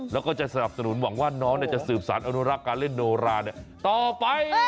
แล้วก็จะสนับสนุนหวังว่าน้องจะสืบสารอนุรักษ์การเล่นโนราต่อไป